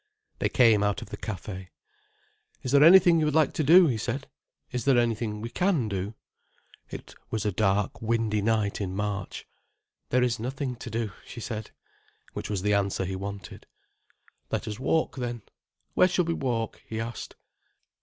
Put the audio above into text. They came out of the café. "Is there anything you would like to do?" he said. "Is there anything we can do?" It was a dark, windy night in March. "There is nothing to do," she said. Which was the answer he wanted. "Let us walk then—where shall we walk?" he asked.